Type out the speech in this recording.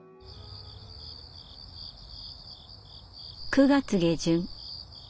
９月下旬。